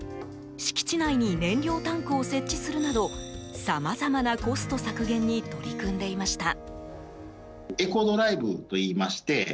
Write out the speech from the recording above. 敷地内に燃料タンクを設置するなどさまざまなコスト削減に取り組んでいました。